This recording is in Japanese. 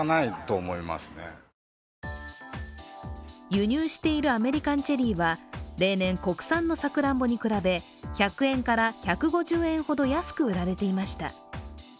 輸入しているアメリカンチェリーは例年、国産のさくらんぼに比べ、１００円から１５０円ほど安く売られていました